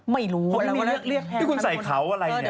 ไม่รู้๕๓พี่คุณใส่เขาอะไรนี่